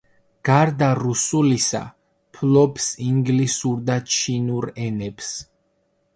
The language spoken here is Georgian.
გარდა რუსულისა, ფლობს ინგლისურ და ჩინურ ენებს.